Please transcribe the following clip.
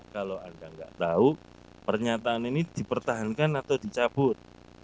kalau anda nggak tahu pernyataan ini dipertahankan atau dicabut